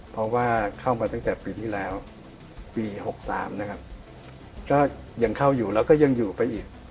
เพราะว่าเข้ามาตั้งแต่ปีที่แล้วปี๖๓นะครับก็ยังเข้าอยู่แล้วก็ยังอยู่ไปอีก